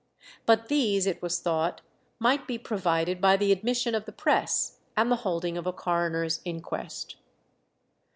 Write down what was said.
But these, it was thought, might be provided by the admission of the press and the holding of a coroner's inquest.